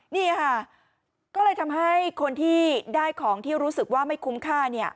นี่ค่ะก็เลยทำให้คนที่ได้ของที่รู้สึกว่าไม่คุ้มค่า